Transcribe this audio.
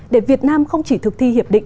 để việt nam không chỉ thực thi hiệp định